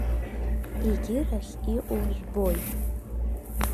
Егьирахь, иҟоу жәбоит.